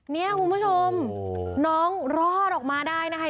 เนี่ยคุณผู้ชมน้องรอดออกมาได้นะคะ